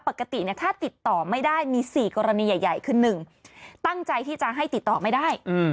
ปกติถ้าติดต่อไม่ได้มี๔กรณีใหญ่คือ๑ตั้งใจที่จะให้ติดต่อไม่ได้